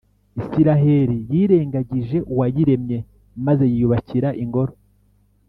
Israheli yirengagije Uwayiremye maze yiyubakira ingoro,